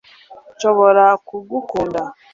nshobora kugukunda